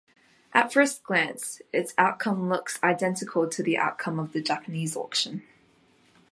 At first glance, its outcome looks identical to the outcome of the Japanese auction.